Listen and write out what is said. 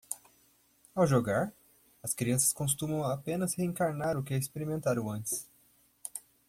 Ao jogar?, as crianças costumam apenas reencenar o que experimentaram antes.